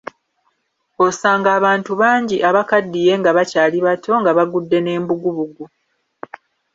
Osanga abantu bangi abakaddiye nga bakyali bato nga bagudde n'embugubugu.